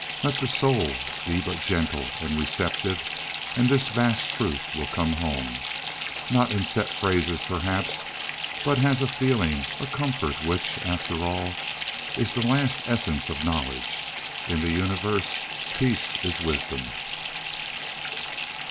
Let the soul be but gentle and receptive, and this vast truth will come home—not in set phrases, perhaps, but as a feeling, a comfort, which, after all, is the last essence of knowledge. In the universe peace is wisdom.